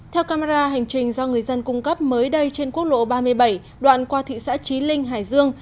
theo camera hành trình do người dân cung cấp mới đây trên quốc lộ ba mươi bảy đoạn qua thị xã trí linh hải dương